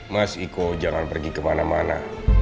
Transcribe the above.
mas iko jangan pergi kemana mana